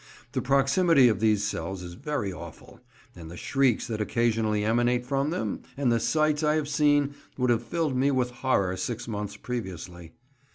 The proximity of these cells is very awful, and the shrieks that occasionally emanate from them, and the sights I have seen, would have filled me with horror six months previously.